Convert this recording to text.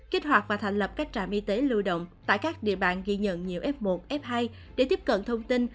kích hoạt và thành lập các trạm y tế lưu động tại các địa bàn ghi nhận nhiều f một f hai để tiếp cận thông tin